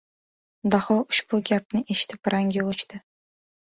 Daho ushbu gapni eshitib rangi o‘chdi.